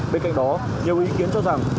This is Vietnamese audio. bên cạnh đó nhiều ý kiến cho rằng